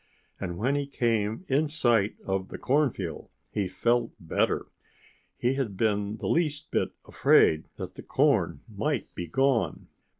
And when he came in sight of the cornfield he felt better. He had been the least bit afraid that the corn might be gone.